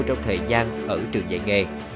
trong thời gian ở trường dạy nghề